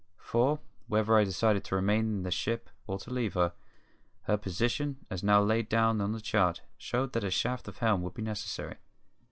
For, whether I decided to remain in the ship or to leave her, her position, as now laid down on the chart, showed that a shift of helm would be necessary.